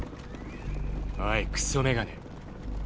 おいクソメガネ。